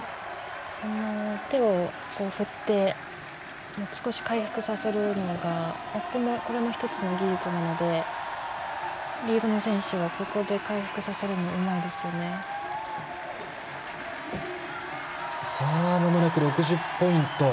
手を振って少し回復させるのがこれも１つの技術なのでリードの選手はここで回復させるのが間もなく６０ポイント。